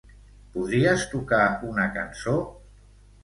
Podries tocar una cançó?